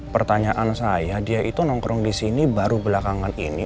pertanyaan saya dia itu nongkrong di sini baru belakangan ini